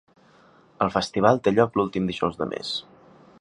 El festival té lloc l'últim dijous del mes.